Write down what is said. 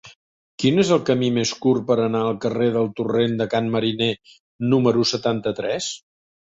Quin és el camí més curt per anar al carrer del Torrent de Can Mariner número setanta-tres?